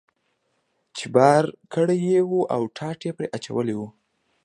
چې بار کړی یې و او ټاټ یې پرې اچولی و.